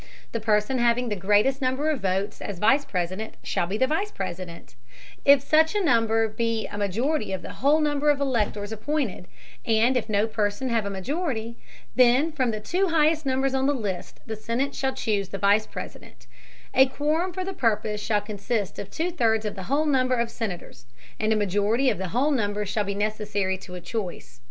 The person having the greatest number of votes as Vice President, shall be the Vice President, if such number be a majority of the whole number of Electors appointed, and if no person have a majority, then from the two highest numbers on the list, the Senate shall choose the Vice President; a quorum for the purpose shall consist of two thirds of the whole number of Senators, and a majority of the whole number shall be necessary to a choice.